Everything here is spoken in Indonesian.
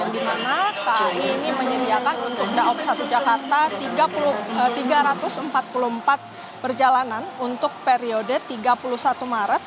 di mana kai ini menyediakan untuk daob satu jakarta tiga ratus empat puluh empat perjalanan untuk periode tiga puluh satu maret